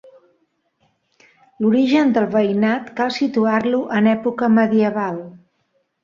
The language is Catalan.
L'origen del veïnat cal situar-lo en època medieval.